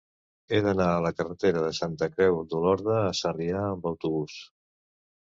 He d'anar a la carretera de Santa Creu d'Olorda a Sarrià amb autobús.